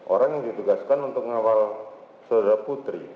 orang yang ditugaskan untuk mengawal saudara putri